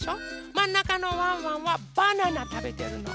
まんなかのワンワンはバナナたべてるの。